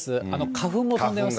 花粉も飛んでますね。